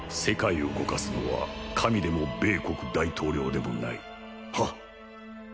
世界を動かすのは神でも米国大統領でもないはっ